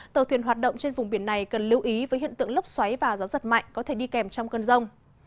tàu thuyền hoạt động trên vùng biển này cần lưu ý với hiện tượng lốc xoáy và gió giật mạnh có thể đi kèm trong cơn rông